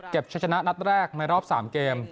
ชะชนะนัดแรกในรอบ๓เกม